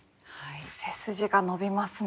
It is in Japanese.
背筋が伸びますね。